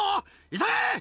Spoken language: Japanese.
急げ！